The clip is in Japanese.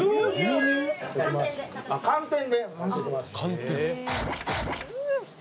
寒天で？